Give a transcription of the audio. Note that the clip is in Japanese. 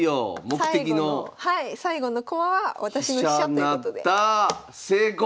最後の駒は私の飛車ということで。